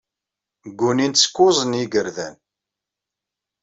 Ggunin-tt kuẓ n yigerdan.